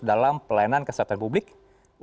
dalam pelayanan kesehatan publiknya